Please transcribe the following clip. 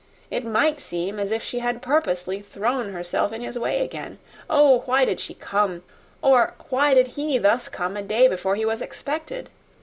It might seem as if she had purposely thrown herself in his way again! Oh! why did she come? or, why did he thus come a day before he was expected?